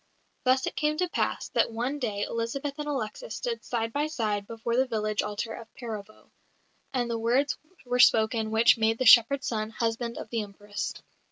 Thus it came to pass that one day Elizabeth and Alexis stood side by side before the village altar of Perovo; and the words were spoken which made the shepherd's son husband of the Empress.